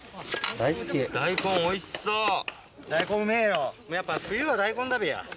大根うめぇよやっぱ冬は大根だべや。